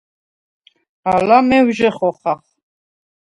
ალა მევჟე ხოხახ.